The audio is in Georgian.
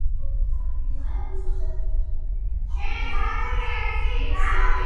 მესიმ ამ სეზონში სამოცდა შვიდი გოლი გაიტანა